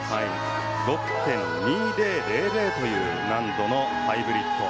６．２０００という難度のハイブリッド。